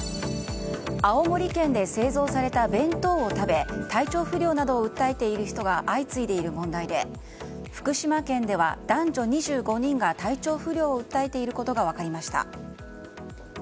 青森県で製造された弁当を食べ体調不良などを訴えている人が相次いでいる問題で福島県では男女２５人が体調不良を訴えていることが分かりました。